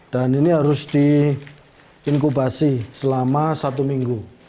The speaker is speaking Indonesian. dan ini harus diinkubasi selama satu minggu